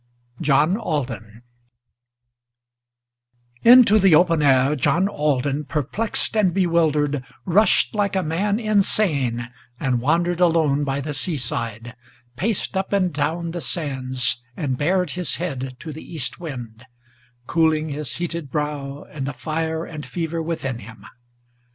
IV JOHN ALDEN Into the open air John Alden, perplexed and bewildered, Rushed like a man insane, and wandered alone by the sea side; Paced up and down the sands, and bared his head to the east wind, Cooling his heated brow, and the fire and fever within him.